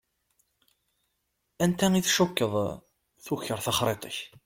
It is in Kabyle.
Anta i tcukkeḍ tuker taxṛiṭ-ik?